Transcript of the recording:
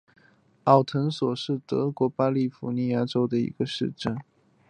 奥滕索斯是德国巴伐利亚州的一个市镇。